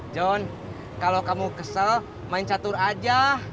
john kalau kamu kesel main catur aja